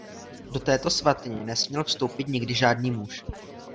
Do této svatyně nesměl vstoupit nikdy žádný muž.